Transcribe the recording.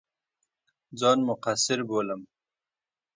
ځان مقصِر بولم.